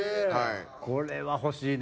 これは欲しいね。